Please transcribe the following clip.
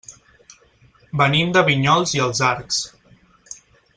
Venim de Vinyols i els Arcs.